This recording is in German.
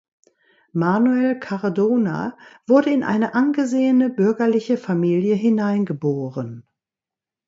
Manuel Cardona wurde in eine angesehene bürgerliche Familie hineingeboren.